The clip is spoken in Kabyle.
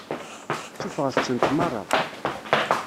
Suffɣet-tent meṛṛa.